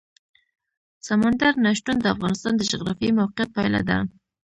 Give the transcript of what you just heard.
سمندر نه شتون د افغانستان د جغرافیایي موقیعت پایله ده.